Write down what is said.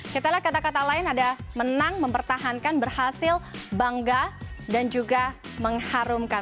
kita lihat kata kata lain ada menang mempertahankan berhasil bangga dan juga mengharumkan